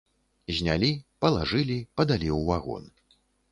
Знялі, палажылі, падалі ў вагон.